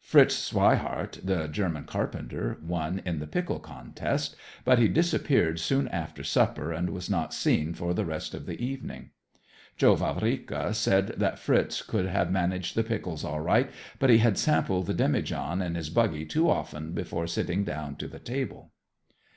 Fritz Sweiheart, the German carpenter, won in the pickle contest, but he disappeared soon after supper and was not seen for the rest of the evening. Joe Vavrika said that Fritz could have managed the pickles all right, but he had sampled the demijohn in his buggy too often before sitting down to the table.